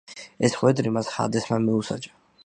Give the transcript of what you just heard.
ეს ხვედრი მას ჰადესმა მიუსაჯა.